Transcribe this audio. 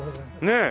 ねえ。